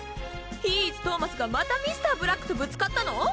ヒーイズトーマスがまたＭｒ．ブラックとぶつかったの？